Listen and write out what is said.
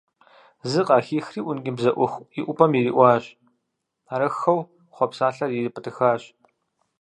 Зы къахихри ӀункӀыбзэӀух иӀупӀэм ириӀуащ, арыххэу… хъуэпсалэр ирипӀытӀыхьащ.